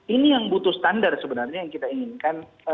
ini yang butuh standar sebenarnya yang kita inginkan